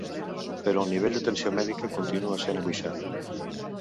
Però el nivell d'atenció mèdica continua sent angoixat.